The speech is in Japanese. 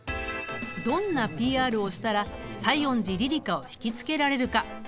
どんなＰＲをしたら西園寺リリカをひきつけられるか？